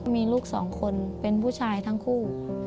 มีลูกสองคนเป็นผู้ชายทั้งคู่